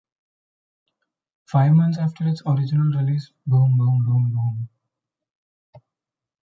Five months after its original release, Boom, Boom, Boom, Boom!!